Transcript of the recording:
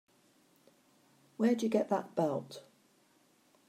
Where'd you get that belt?